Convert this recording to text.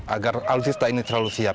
agar alutsista ini terlalu siap